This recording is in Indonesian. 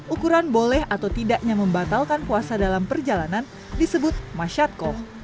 ukuran boleh atau tidaknya membatalkan puasa dalam perjalanan disebut masyadkoh